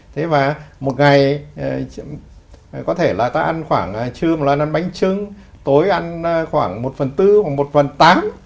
thế và một ngày có thể là ta ăn khoảng trưa một lần ăn bánh trưng tối ăn khoảng một phần tư hoặc một phần tám